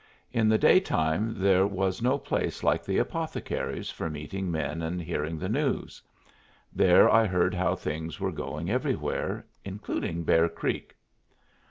In the daytime there was no place like the apothecary's for meeting men and hearing the news. There I heard how things were going everywhere, including Bear Creek.